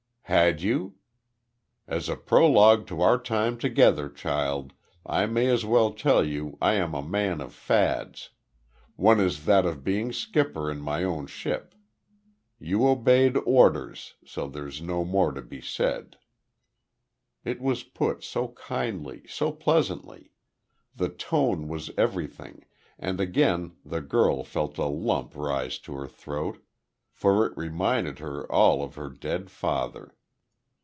"Had you? As a prologue to our time together child, I may as well tell you I am a man of fads. One is that of being skipper in my own ship. You obeyed orders, so there's no more to be said." It was put so kindly, so pleasantly. The tone was everything, and again the girl felt a lump rise to her throat, for it reminded her all of her dead father.